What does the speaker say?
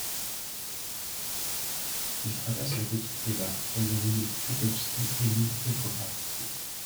Il traverse la Petite Neva, reliant l'île Krestovski et l'île Petrogradsky.